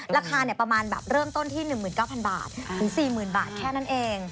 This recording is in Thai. ราคาเนี้ยประมาณแบบเริ่มต้นที่หนึ่งหมื่นเก้าพันบาทหรือสี่หมื่นบาทแค่นั้นเอง